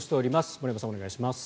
森山さん、お願いします。